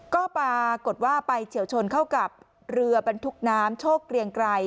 ก็ปรากฏว่าไปเฉียวชนเข้ากับเรือบรรทุกน้ำโชคเกรียงไกร